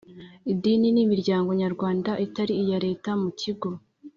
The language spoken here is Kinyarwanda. Idini n imiryango nyarwanda itari iya leta mu kigo